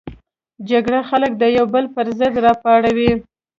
جګړه خلک د یو بل پر ضد راپاروي